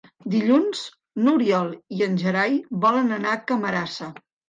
Dilluns n'Oriol i en Gerai volen anar a Camarasa.